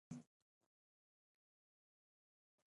ازادي راډیو د د اوبو منابع حالت په ډاګه کړی.